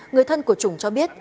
người thân của trùng cho biết